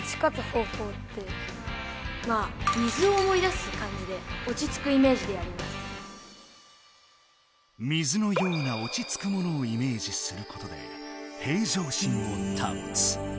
すごい！水のような落ち着くモノをイメージすることで平常心をたもつ。